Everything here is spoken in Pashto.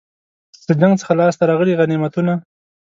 له جنګ څخه لاسته راغلي غنیمتونه.